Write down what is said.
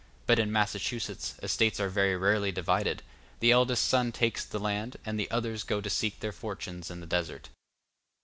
But in Massachusetts estates are very rarely divided; the eldest son takes the land, and the others go to seek their fortune in the desert.